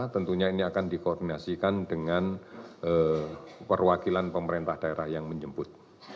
tentunya ini akan dikoordinasikan dengan perwakilan pemerintah daerah yang menjemput